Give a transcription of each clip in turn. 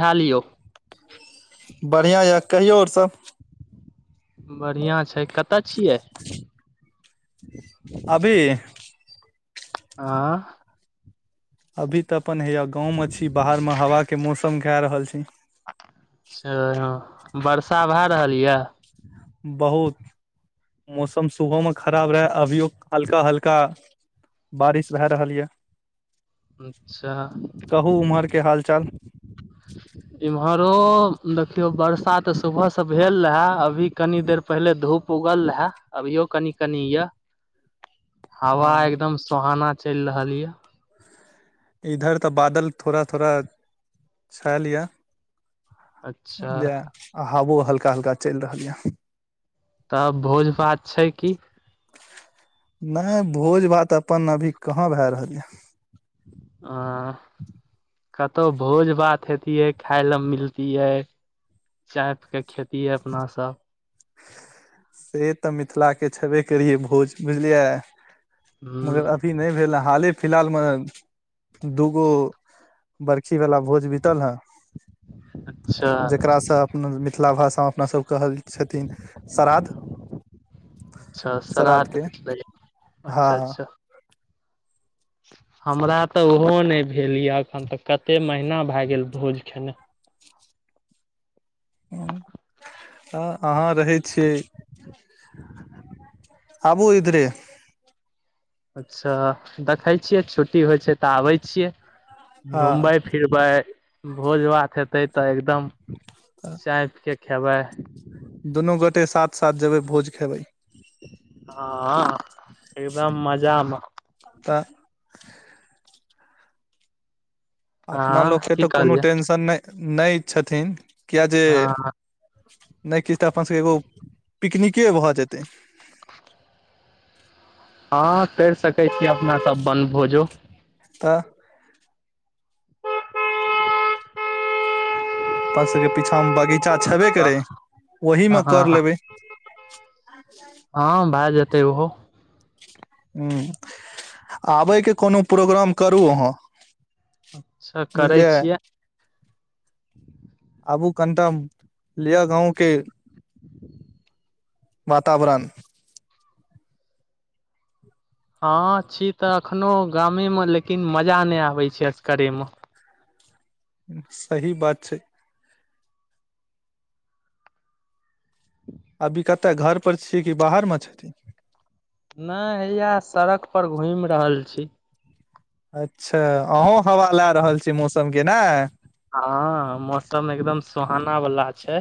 ठ लियौ बढ़िआँ यऽ कहियऔ आओर सब बढ़िआँ छै कतऽ छियै। अभी हाँ। अभी तऽ अपन हया गाँंव मे छी बाहर मे हवा के मौसम ख रहल छी। अचछा वर्षा भए रहल यऽ बहुत मौसम सुबह में खराब रहे अभियो हल्का हल्का बारिश भए रहल ये अच्छा। कहू उम्हर के हाल चाल इम्हरो देखियो बर्षा ते सुबह से भेल रहे अभी कनी देर पहिले धूप उगल रहे अभियो कनि कनि ये हवा ह एकदम सुोहाना चलि रहल ये इधर तऽ बादल थोड़ा थोड़ा छेल य अच्छा आ हबो हल्का हल्का चलि रहल यए तब भोज भात छै की। नहि भोज भात अपन अभी कहाँ भए रहल यऽ आ कतहु भोज भात हेतियै खााय लऽ मिलति यै चायप के खेती हइ अपनासभ से तऽ मिथिला के छेबे करियै भोज बुझलियै मगर अभी ह नहि भेल हाले फिलहाल में दूगो बर्खी वालला भोज बितल ह अच्छा जकरासँ अपना मिथिला भाषामे अपनासभ कहल छथिन श्रध अच्छा श्रध श्राद्ध के भेटलै अच्छा हँ। अच्छा हमरा तऽ ओहो नहि भेल यए एखन तऽ कतेक महीना भए गेल भोज खेना अहाँ रहै छियै। आबू इधरे अच्छा देखै छियै छुट्टी होइ छै, तऽ आबे छियै हँ घूमबै फिरब भोज भात हेतै तऽ एकदम ह। चायप के खेबै दुनू गोटे साथ साथ जेबै भोज खयबै हां एकदम मजा मे तऽ अपना लोक हँ के की तऽ कुनू कहलियै टेंशन नै नै छथिन किया जे हँ नै किछ तऽ अपन सबके एगो पिकनिके भऽ जेतै। हां कैर सकै छी अपना सब बनभोजो। तऽ। अपन सबके पीछा मे बगीचा छेबे करै ओहि मे हँ हँ कर लेबै। हां भाए जेतै उहो। हुं आबै के कुनू प्रोग्राम करू अहाँ। हां अच्छा करै बुझलियै छियै। आबु कनटा लियौ गाँव के वातावरण। हां छी तऽ एखनो गामे मे लेकिन मजा नै आबै छै असकरे मे। ऊंह सही बात छै। [inaudible] अभी कता घर पर छी कि बाहर मे छथिन। नै हैया सड़क पर घुम रहल छी। अच्छा अहों हवा लाए रहल छी मौसम के नै। हां मौसम एकदम सुहाना वला छै,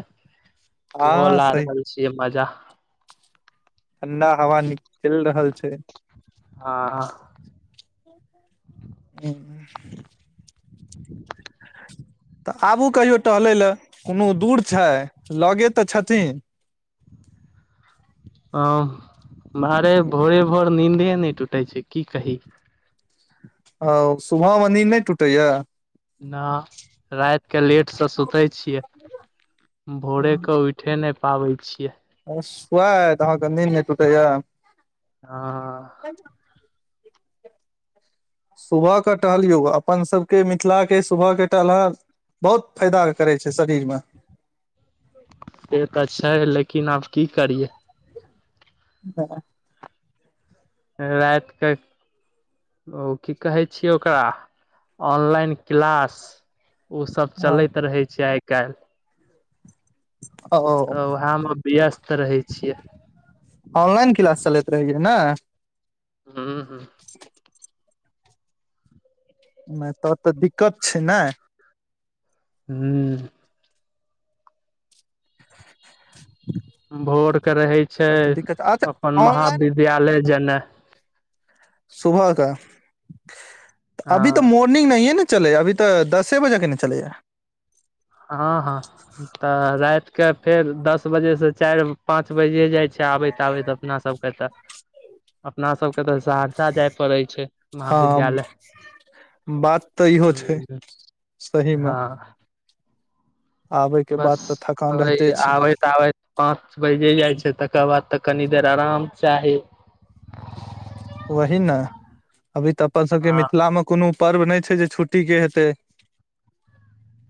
उहो हँ ला सही रहल छिये मजा। ठंडा हवा नि चैल रहल छै। हां। [inaudible] ऊंह। तऽ आबु कहियो टहलै लए कुनू दूर छै लगे तऽ छथिन। ह मारे भोरे- भोर नींन्दे नहि टूटे छै की कही। हंऽ सुबह में नींद नइ टूटैया। ना राइत के लेट से सुते छियै, भोरे कऽ उठ ठे नइ पाबै छियै। ओ सुवाइत अहाँके नीन्द नइ टूटैया। हंऽ। [unintelligible] सुबहक टहलियौ, अपन सभके मिथिलाके सुबहके टहलब बहुत फायदा करे छै, शरीर में। से तऽ छै, लेकिन आब की करिये। [unintelligible] राइत के ओ की कहै छियै ओकरा, ऑनलाइन क्लास। उ सब चलैत रहै छै, आइ काल्हि। ओ तऽ वेहे मे व्यस्त रहै छियै। ऑनलाइन क्लास चलैत रहैया ने। हूं। नहि त- तऽ दिक्कत छै, नै। हूँ। भोर के रहे छै तब तऽ दिक्कत अच्छा अपन ऑनलाइन महाविद्यालय जेनाइ। सुबह कऽ अभी हँ तऽ मोट मर्निंग नै ने चलैये अभी तऽ दसे बजे के नै चलैया। हँ हँ तऽ राइत के फेर दस बजे से चैर पाँच बाइजिये जाय छै। छै आबैत- आबैत अपना सबके तऽ। अपना सबके तऽ सहरसा जाय पड़ै छै हँ महाविद्यालय। बात तऽ इहो छै हूँ सही मे। हँ आबे के बस बाद तऽ थकान रहिते ओही छै आबै। बै पाँच बैजे जाय छै तकर बाद तऽ कनि देर आराम चाही। वही न। अभी तऽ अपन सबके हँ मिथिला मे कोनो पर्व नै छै जे छुट्टी के हेतै।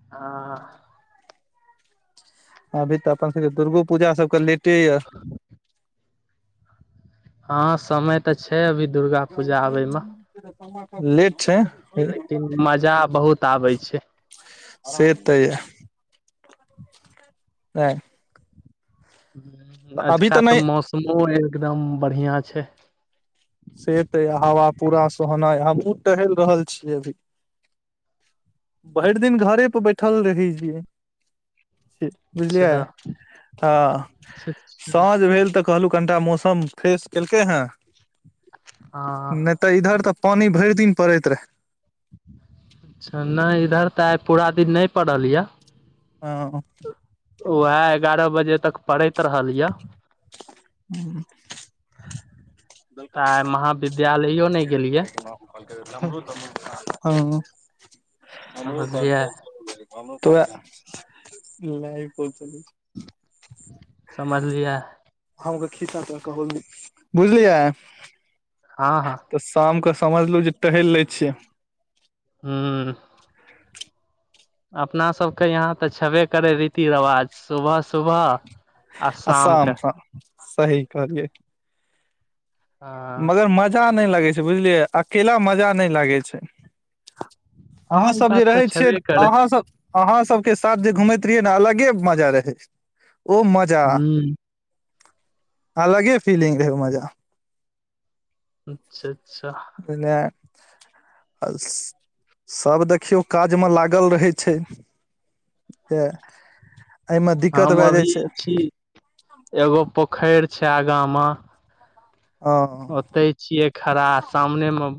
हँ। अभी तऽ अपन सब के दुर्गो पूजा सबके लेटे या। हँ समय। तऽ छै अभी दुर्गा पूजा आबैमे लेट छै। लेकिन मजा बहुत आबेै छै। से तऽ या नै। अभी अजका तऽ नहि मौसमो एकदम बढ़ियां छै। से तऽ या हवा पूरा सोहनाय हमहुँ टहैल रहल छीयै अभी। भैर दिन घरे परे बैठल रहै छियै। अच्छा बुझलियै तऽ अच्छा हँ साँझ भेल तऽ। कहलहुँ कनिटा मौसम फ्रेश केलकै हेँ। हँ। नहि तऽ इधर तऽ पानी भैर दिन पड़ैत रहे। नैय इधर तऽ आय पूरा दिन नैय पड़ल या। हँ। उएह एगारह बजे तक पड़ैत रहल या। हूँ। तऽ आय महाविद्यालयो नै गेलियै। हँ हमरो करतै [unintelligible] समझलियै [unintelligible] उएह नै [unintelligible] समझलियै। हमके खी कह बुझलियै। हँ हँ। तऽ शामके समझलु जे टहल लए छियै। हूँ। अपना सब के यहाँ तऽ छेबे करै रीति- रिवाज सुबह- सुबह। आ शाम के साम साम सही कहलियै। हँ मगर मजा नै लागै छै बुझलियै अकेला मजा नै लागै छै। आहाँ हँ ई सब जे बात तऽ रहै छियै छेबे करै आहाँ सब। आहाँ सब के साथ जे घूमैत रहियै ने अलगे मजा रहै ओ मजा ह अलगे फीलिंग रहै ओ मजा। अच्छा -अच्छा जेने [unintelligible] आ सभ देखियौ काज मे लागल रहै छै। त एहिमे दिक्कत हम भए अभी जाइ छै। छी एगो पोखरि छै आगा मे। ह ओते छिये खड़ा सामने मे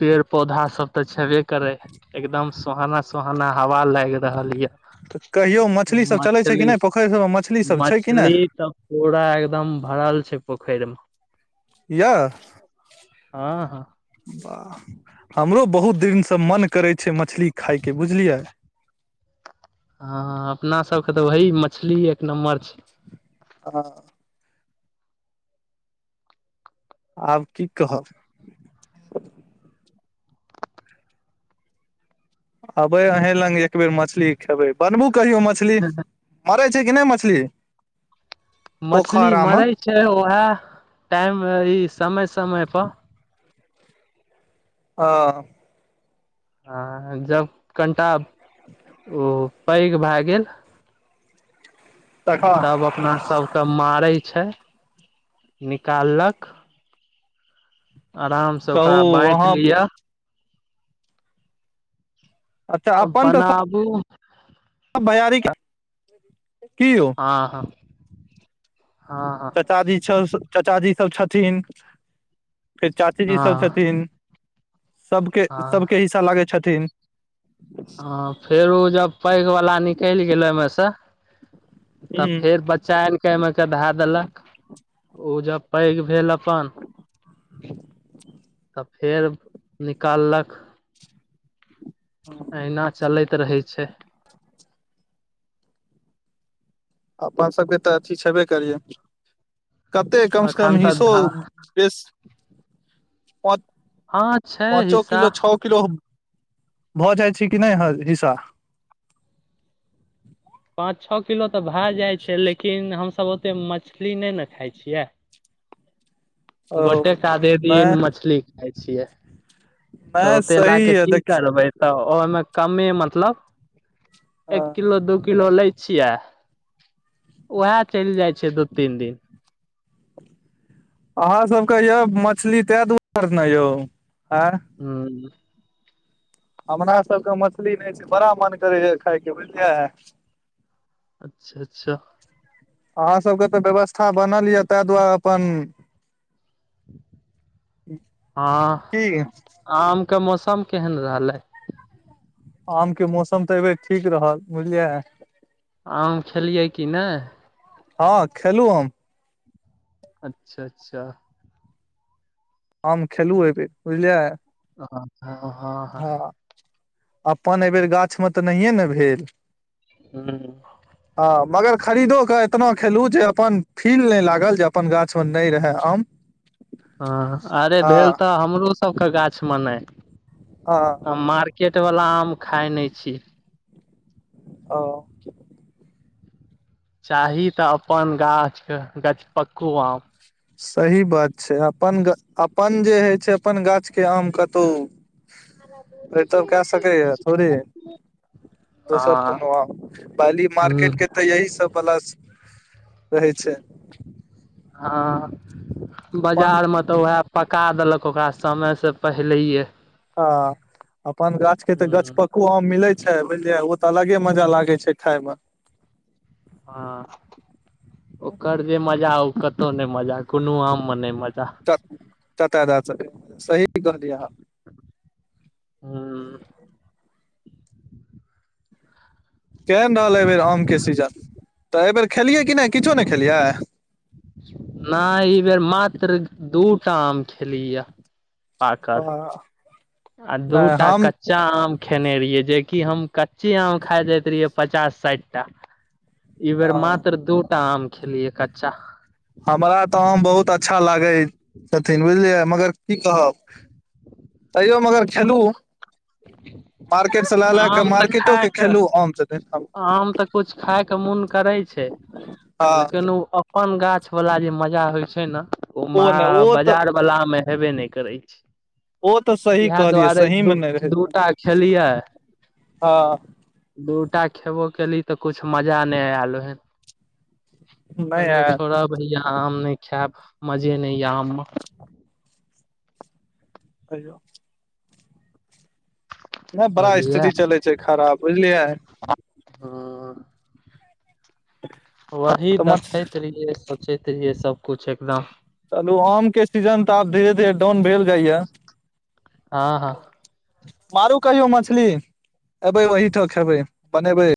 पेड़ पौधा सब ते छेबे करे हे। एकदम सोहाना सोहाना हवा लाग रहल ये। तऽ कहियो मछलीसभ चलै छै मछली कि नहि पोखरि सभमे मछलीसभ छै कि मछली नहि। तऽ पूरा एकदम भरल छै पोखरि मे। य हँ हँ वाह हमरो बहुत दिनसँ मन करै छै मछली खाायके बुझलियै। हँ अपना सब के तऽ वही मछली एक नम्बर छै। [inaudible] हँ आब की कहब? अबै अहीं लग एक बेेर मछली खेबै। बनबू कहियो मछली? मड़ै छै कि नहि मछली? मछली पोखरा मे मरे छै उएहे टाइम ई समय-समय पर ह ह जब कनटा म ओ पैघ भए गेल तखन तब अपना सब के मारे छै निकाललक आराम से कहू ओकरा बाँंट अहाँ लियअ। अच्छा अ पनााबे अ भैयार [unintelligible] की यौ हँ-हँ, हँ-हँ चच जी सब चाच जी सब छथिन फेर हँ चाचीजी सब हँ छथिन। सभके, सभके हँ हिस्सा लागै छथिन। ह फेर ओ जब पैघ वालला निकलि गेलै ओमे से। तब ह फेर बच्चा आन केे एमे के धा देलक ओ जब पै भेल अपन तऽ फेर निकाललक अहिना चलैत रहै छै। अपन सभके तऽ अथी छेबे करियै। कते कम से कम एखन तऽ हीसो धा बेस पच हँ छै पाँचो हिस्सा किलो छओ किरो भऽ जाइ छै कि नहि हिस्सा पाँच छओ किलो तऽ भए जाइ छै लेकिन हमस ओतेक मछली नहि ने खाइ छियै। ओ गोटेके आधे दिन नहि मछली खााय छियै। तऽ नहि ओते लए सही क य की देख करबै। तऽ ओहिमे कमे मतलब एक किलो दू किलो लै। छिय उएह चलि जाइ छै दू तीन दिन। अहाँ सबके यौ मछली ते दुआर ने यौ आय हू हमरा सबके मछली नहि छै बड़ा मन करै छै खाायके बुझलियै। अच्छा-अच्छा अहाँसभके तऽ व्यवस्था बनल यए ताहि दुआरे। अपन ठी आमके मौसम केहन रहलै आम के मौसम तऽ अबर ठीक रहल, बुझलियै आम खेलियै कि नहि हँ, खेलू हम अच्छा अच्छा आम खेलु हेर बुझलियै हँ ह। हँ अपन एहिबेर गाछमे तऽ नहिए ने भेल हूँ ह मगर खरीदो के एतना खेलू जे अपन फील नहि लागल जे अपन गाछ मे नहि रहे आम हँ, अरे हँ भेल तऽ हमरो सबके गाछमे नहि। हँ। हम मार्केट वालला आम खााय नहि छी ह। चाही तऽ अपन गाछके गछपक्कू आम सही बात छै अपन ग अपन जे होइ छै, अपन गाछके आम कतहु म थोड़े ब दोसर कोनो आ पी मार्केट के तऽ यही सब बला स रहै छै। हँ, अपन बाजार में तऽ उएह पका देलक ओकरा समय स पह हिलैये ह अपन गाछ के तऽ ह गछपक कु आम मिले छै बुझलियै ओ तऽ अलगे मजा लागे छै खाय में हँ, ओकर जे मजा ओ कत्तौ नै मजा कोनो आम में नै मजा तऽ तऽ द सही कहलियै हन हूं। केहेन रहल एहिबेर आमके सीजन तऽ एहिबेर खेलियै कि नहि किछो नै खेलियै नाइ ई बेर मात्र दूटा आम खेलियऽ पाकल नहि आ दूटा हम कच्चा आम खेने रहियै जेकि हम कच्चे आम खा जाइत रहियै पचास-साइठ टा ई बेर मात्र दुटा आम खेलियै कच्चा हमरा तऽ आम बहुत अच्छा लागै छथिन बुझलियै मगर की कहब तैयो मगर खेलू मार्केट से लए लए क आम तऽ मार्केटो खाय के कऽ खेलू आम छथिन हँ आम तऽ कुछ खायइके मुन करै छै, ओ लेकिन उ अपन गाछ वला जे मजा होइ छै न ओ महा नहि ओ तऽ बाजार वला में हेबे नै करै छै। ओ तऽ सही इहै कहलियै दुआरे सही दू मे नहि रहै छै दूटा खेलियै हँ। दूटा खेबो केली तऽ कुछ मजा नै ऐल ओहेन नहि कहलियै आयल छोड़ब भैया आम नै खैब मजे नै या आम मं कहियौ नहि बड़ा बुझलियै स्थिति चलै छै खराब बुझलियै हँ। तऽ वही मछ देखैत रहियै सोचैत रहियै सबकुछ एकदम चलू आम के सीजन तऽ आब धीरे-धीरे डाउन भेल जाइया। हँ, हँ। मारू कहियो मछली एबै ओहिठां खेबै बनेबै।